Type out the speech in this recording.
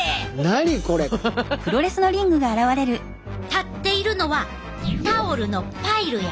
立っているのはタオルのパイルや。